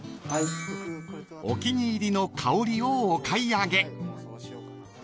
［お気に入りの香りをお買い上げ］